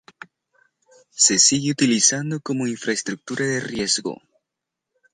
Se sigue utilizando como infraestructura de riego.